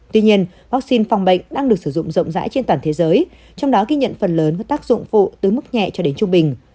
tuy nhiên vaccine phòng bệnh đang được sử dụng rộng rãi trên toàn thế giới trong đó ghi nhận phần lớn các tác dụng phụ từ mức nhẹ cho đến trung bình